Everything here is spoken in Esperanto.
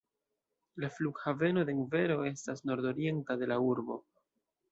La Flughaveno Denvero estas nordorienta de la urbo.